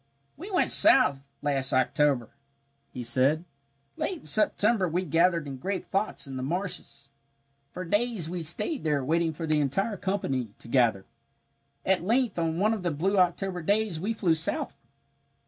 "We went south last October," he said. "Late in September we gathered in great flocks in the marshes. "For days we stayed there waiting for the entire company to gather. At length on one of the blue October days we flew southward.